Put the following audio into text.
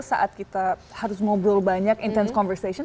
saat kita harus ngobrol banyak intens conversation